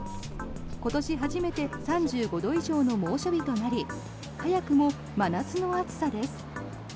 今年初めて３５度以上の猛暑日となり早くも真夏の暑さです。